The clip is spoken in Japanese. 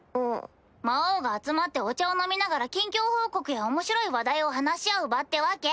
魔王が集まってお茶を飲みながら近況報告や面白い話題を話し合う場ってわけ。